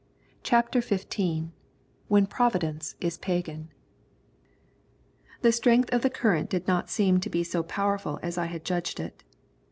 CHAPTER XV WHEN PROVIDENCE IS PAGAN The strength of the current did not seem to be so powerful as I had judged it.